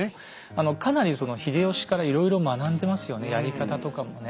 あのかなりその秀吉からいろいろ学んでますよねやり方とかもね。